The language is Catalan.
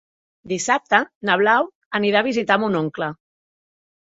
Dissabte na Blau anirà a visitar mon oncle.